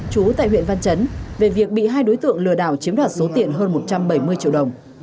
chú tại huyện văn chấn về việc bị hai đối tượng lừa đảo chiếm đoạt số tiền hơn một trăm bảy mươi triệu đồng